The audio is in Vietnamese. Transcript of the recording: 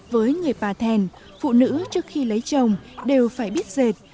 với người bà thèn phụ nữ trước khi lấy chồng đều phải biết dệt